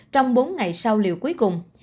trong bốn ngày sau liều cuối cùng